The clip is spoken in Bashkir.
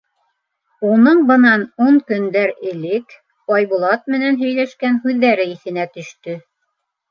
Уның бынан ун көндәр элек Айбулат менән һөйләшкән һүҙҙәре иҫенә төштө.